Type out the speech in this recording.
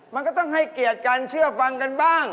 มันก็ต้องให้เกียรติกันเชื่อฟังกันบ้าง